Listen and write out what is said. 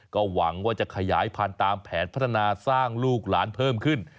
ก็หวังว่าจะขยายพันธุ์ตามแผนพัฒนาสร้างลูกหลานเพิ่มขึ้น